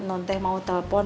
nanti mau telepon